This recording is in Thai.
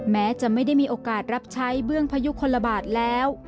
แม้จะไม่ได้มีโอกาสรับใช้เบื้องพยุคลบาทแล้ว